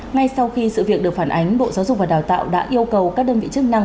ngay sau khi sự việc được phản ánh bộ giáo dục và đào tạo đã yêu cầu các đơn vị chức năng